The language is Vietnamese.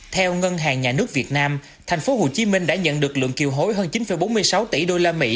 theo ngân hàng nhà nước việt nam thành phố hồ chí minh đã nhận được lượng kiều hối hơn chín bốn mươi sáu tỷ usd